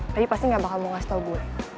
tapi pasti gak bakal mau ngasih tau gue